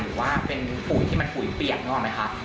หรือว่าเป็นปุ๋ยที่มันปุ๋ยเปียกนึกออกไหมคะ